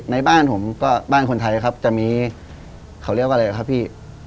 ในบ้านผมก็บ้านคนไทยครับจะมีเขาเรียกว่าอะไรครับพี่